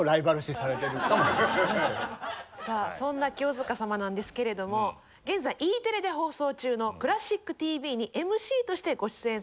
さあそんな清塚様なんですけれども現在Ｅテレで放送中の「クラシックＴＶ」にＭＣとしてご出演されているということで。